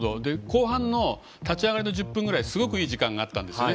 後半の立ち上がりの１０分くらいすごくいい時間があったんですね。